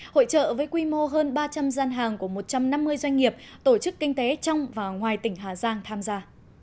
hội trợ với quy mô hơn ba trăm linh gian hàng của một trăm năm mươi doanh nghiệp tổ chức kinh tế trong và ngoài tỉnh hà giang tham gia